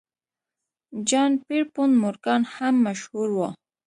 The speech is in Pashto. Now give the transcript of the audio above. جان پیرپونټ مورګان هم مشهور و.